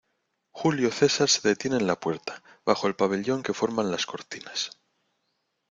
julio César se detiene en la puerta, bajo el pabellón que forman las cortinas: